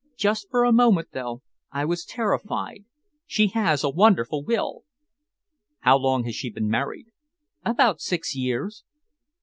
"Just for a moment, though, I was terrified. She has a wonderful will." "How long has she been married?" "About six years."